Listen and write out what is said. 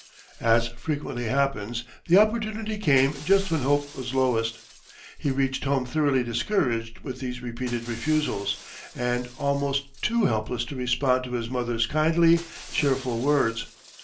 As frequently happens, the opportunity came just when hope was lowest. He reached home thoroughly discouraged with these repeated refusals, and almost too hopeless to respond to his mother's kindly, cheerful words.